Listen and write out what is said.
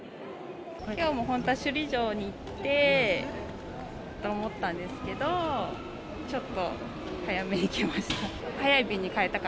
きょうも本当は首里城に行ってと思ったんですけど、ちょっと早めに来ました。